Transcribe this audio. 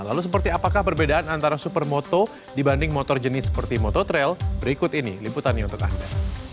lalu seperti apakah perbedaan antara supermoto dibanding motor jenis seperti moto trail berikut ini liputannya untuk anda